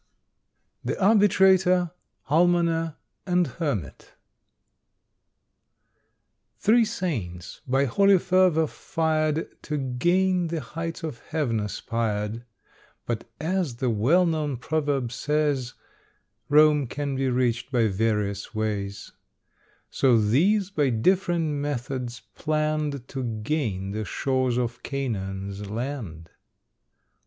THE ARBITRATOR, ALMONER, AND HERMIT. Three saints, by holy fervour fired, To gain the heights of heaven aspired; But, as the well known proverb says, Rome can be reached by various ways, So these by different methods planned To gain the shores of Canaan's land.